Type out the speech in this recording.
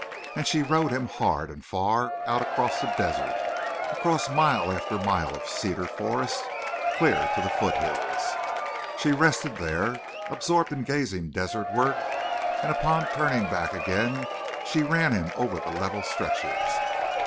And she rode him hard and far, out across the desert, across mile after mile of cedar forest, clear to the foothills. She rested there, absorbed in gazing desertward, and upon turning back again, she ran him over the level stretches.